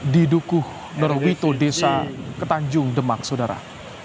di dukuh norwito desa ketanjung demak saudara